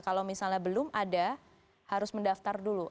kalau misalnya belum ada harus mendaftar dulu